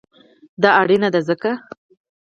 دا اړینه ده ځکه: